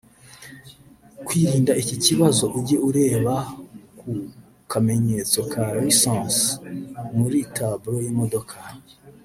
Kwirinda iki kibazo ujye ureba ku kamenyetso ka lisence muri Tableau y’imodoka